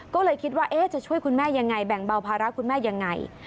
ก็เลยคิดว่าจะช่วยคุณแม่ยังไงแบ่งเบาภาระคุณแม่ยังไง